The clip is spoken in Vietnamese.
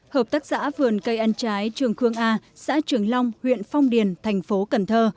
hợp tác xã vườn cây ăn trái trường khương a xã trường long huyện phong điền thành phố cần thơ